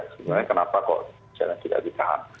sebenarnya kenapa kok jangan kita ditahan